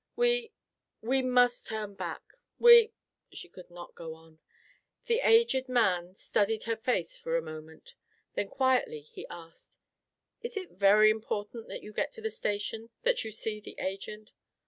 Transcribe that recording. We—we must turn back. We—" She could not go on. The aged man studied her face for a moment. Then quietly he asked: "Is it very important that you get to the station; that you see the Agent?"